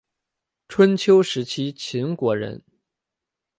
春秋时期秦国人。